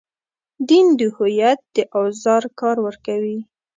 دین د هویت د اوزار کار ورکوي.